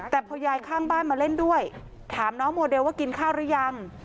แต่พอยายข้างบ้านมาเล่นด้วยถามน้องโมเดลว่ากินข้าวหรือยัง